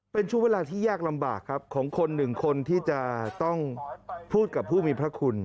เป็นช่วงเวลาที่ยากลำบากครับของคนหนึ่งคนที่จะต้องพูดกับผู้มีพระคุณ